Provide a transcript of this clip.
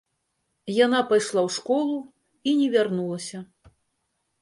Яна пайшла ў школу і не вярнулася.